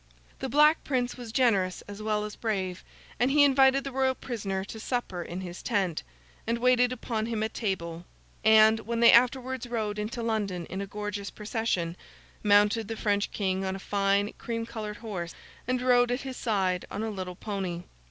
The Black Prince was generous as well as brave, and he invited his royal prisoner to supper in his tent, and waited upon him at table, and, when they afterwards rode into London in a gorgeous procession, mounted the French King on a fine cream coloured horse, and rode at his side on a little pony.